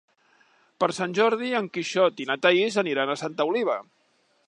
Per Sant Jordi en Quixot i na Thaís aniran a Santa Oliva.